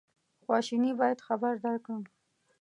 خواشیني باید خبر درکړم.